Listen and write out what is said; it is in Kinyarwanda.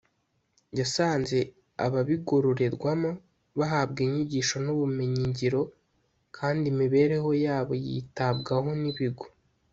yasanze ababigororerwamo bahabwa inyigisho n’ubumenyingiro kandi imibereho yabo yitabwaho n’ ibigo